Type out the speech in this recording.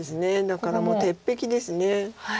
だからもう鉄壁です。